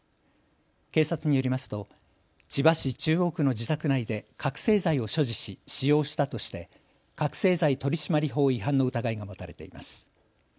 警察によりますと千葉市中央区の自宅内で覚醒剤を所持し使用したとして覚醒剤取締法違反の疑いが持たれています。